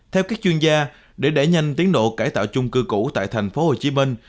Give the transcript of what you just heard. theo các chuyên gia để đẩy nhanh tiến độ cải tạo chung cư cũ tại thành phố hồ chí minh